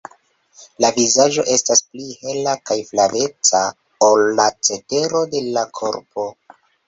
La vizaĝo estas pli hela kaj flaveca ol la cetero de la korpo.